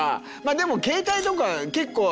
でも携帯とか結構。